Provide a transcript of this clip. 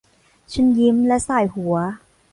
ฉันยิ้มและส่ายหัว